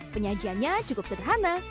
penyajiannya cukup sederhana